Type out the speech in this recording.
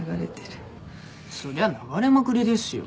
そりゃ流れまくりですよ。